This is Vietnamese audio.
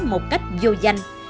một cách vô danh